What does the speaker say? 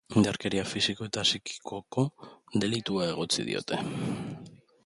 Indarkeria fisiko eta psikikoko delitua egotzi diote.